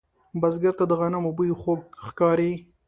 بزګر ته د غنمو بوی خوږ ښکاري